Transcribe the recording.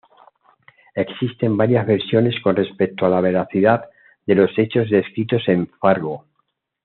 Existen varias versiones con respecto a la veracidad de los hechos descritos en "Fargo".